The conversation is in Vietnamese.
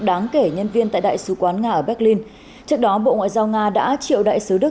đáng kể nhân viên tại đại sứ quán nga ở berlin trước đó bộ ngoại giao nga đã triệu đại sứ đức